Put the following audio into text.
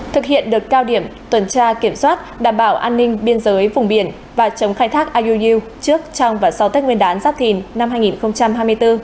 thực hiện được cao điểm tuần tra kiểm soát đảm bảo an ninh biên giới vùng biển và chống khai thác iuu trước trong và sau tết nguyên đán giáp thìn năm hai nghìn hai mươi bốn